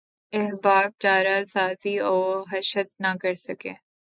احباب چارہ سازی وحشت نہ کرسکے